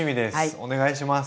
お願いします。